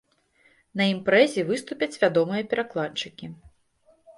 На імпрэзе выступяць вядомыя перакладчыкі.